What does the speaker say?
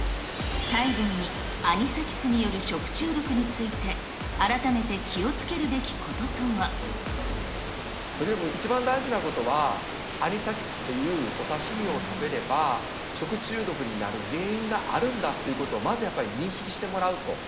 最後にアニサキスによる食中毒について、改めて気をつけるべとりわけ一番大事なことは、アニサキスというお刺身を食べれば、食中毒になる原因があるんだっていうことをまずやっぱり認識してもらうと。